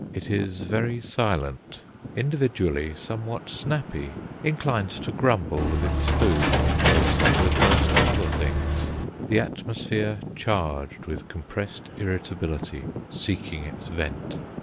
It is very silent; individually, somewhat snappy; inclined to grumble with its food, also with most other things; the atmosphere charged with compressed irritability seeking its vent.